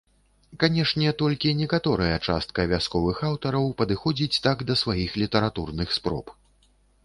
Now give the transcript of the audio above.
Канешне, толькі некаторая частка вясковых аўтараў падыходзіць так да сваіх літаратурных спроб.